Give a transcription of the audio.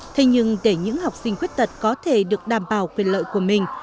thế nhưng để những học sinh khuyết tật có thể được đảm bảo quyền lợi của mình